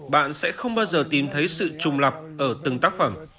bạn sẽ không bao giờ tìm thấy sự trùng lập ở từng tác phẩm